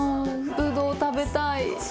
ブドウ食べたい？